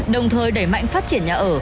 đồng thời đẩy mạnh phát triển nhà ở